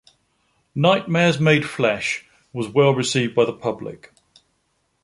"Nightmares Made Flesh" was well received by the public.